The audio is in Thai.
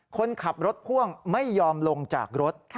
คนขับรถพ่วงไม่ยอมลงจากรถ